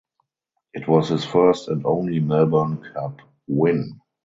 It was his first and only Melbourne Cup win.